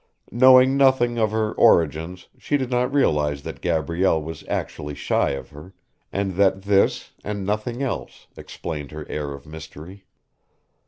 Knowing nothing of her origins she did not realise that Gabrielle was actually shy of her, and that this, and nothing else, explained her air of mystery.